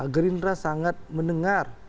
gerindra sangat mendengar